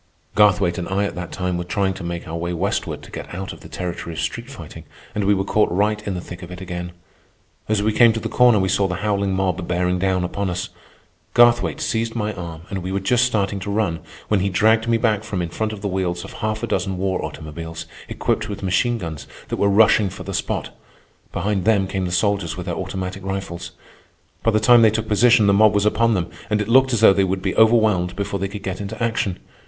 Garthwaite and I at that time were trying to make our way westward to get out of the territory of street fighting, and we were caught right in the thick of it again. As we came to the corner we saw the howling mob bearing down upon us. Garthwaite seized my arm and we were just starting to run, when he dragged me back from in front of the wheels of half a dozen war automobiles, equipped with machine guns, that were rushing for the spot. Behind them came the soldiers with their automatic rifles. By the time they took position, the mob was upon them, and it looked as though they would be overwhelmed before they could get into action.